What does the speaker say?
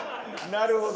なるほど。